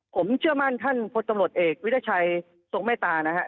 ผมเชื่อมั่นท่านพลตำรวจเอกวิทยาชัยทรงเมตตานะครับ